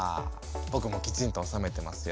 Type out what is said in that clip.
ぼくもきちんと納めてますよ。